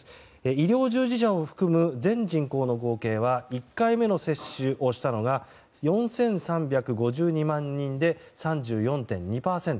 医療従事者を含む全人口の合計は１回目の接種をしたのが４３５２万人で３４．２％。